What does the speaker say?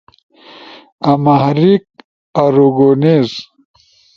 آمہاریک، آروگونیز